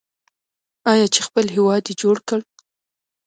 آیا چې خپل هیواد یې جوړ کړ؟